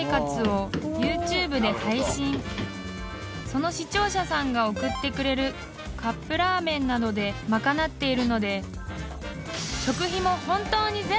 ［その視聴者さんが送ってくれるカップラーメンなどでまかなっているので］